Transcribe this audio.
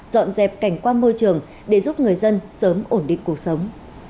dọn dẹp cảnh quan môi trường để giúp người dân sớm ổn định cuộc sống